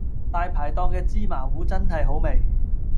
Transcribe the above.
大排檔嘅芝麻糊真好味